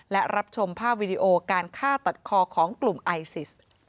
และรับชมภาพวิดีโอการฆ่าตัดคอของกลุ่มไอซิส